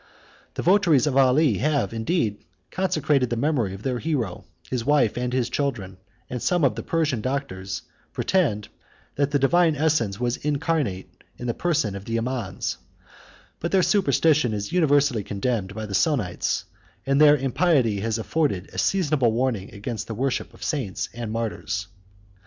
The votaries of Ali have, indeed, consecrated the memory of their hero, his wife, and his children; and some of the Persian doctors pretend that the divine essence was incarnate in the person of the Imams; but their superstition is universally condemned by the Sonnites; and their impiety has afforded a seasonable warning against the worship of saints and martyrs.